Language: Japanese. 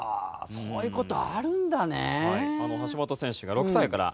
そういう事あるんだね。